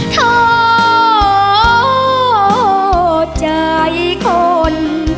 โถใจคน